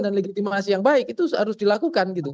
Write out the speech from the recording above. dan legitimasi yang baik itu harus dilakukan